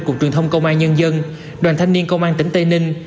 của trường thông công an nhân dân đoàn thanh niên công an tỉnh tây ninh